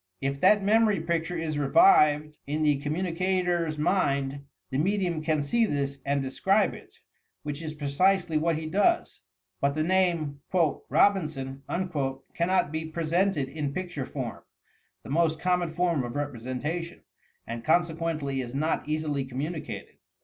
If that memory picture is revived in the communica tor's mind, the medium can see this and describe it, — which is precisely what he does; but the name "Robin son" cannot he presented in picture form (the most common form of representation) and consequently is not easily communicated.